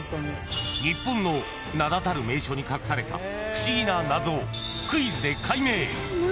日本の名だたる名所に隠された不思議な謎をクイズで解明。